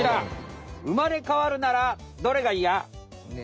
生まれかわるならどれがイヤ？